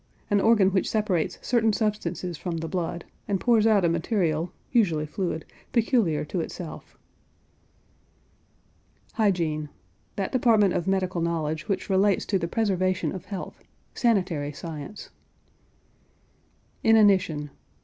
An organ which separates certain substances from the blood, and pours out a material, usually fluid, peculiar to itself. HYGIENE. That department of medical knowledge which relates to the preservation of health; sanitary science. INANITION.